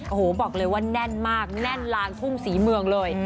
โอ้โหบอกเลยว่าแน่นมากแน่นลานทุ่งศรีเมืองเลย